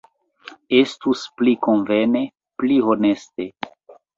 Estus pli konvene, pli honeste.